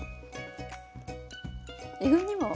えぐみも。